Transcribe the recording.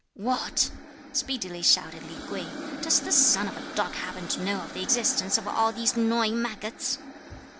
"What!" speedily shouted Li Kuei, "does this son of a dog happen to know of the existence of all these gnawing maggots?"